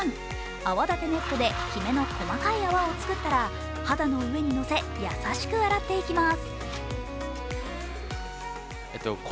泡立てネットできめの細かい泡を作ったら肌の上に乗せ優しく洗っていきます。